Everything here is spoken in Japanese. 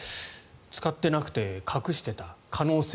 使ってなくて隠してた可能性。